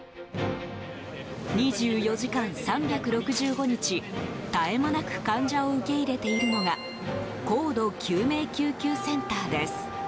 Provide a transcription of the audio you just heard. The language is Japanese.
２４時間３６５日、絶え間なく患者を受け入れているのが高度救命救急センターです。